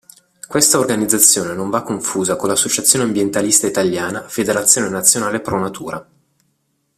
Questa organizzazione non va confusa con l'associazione ambientalista italiana Federazione Nazionale Pro Natura.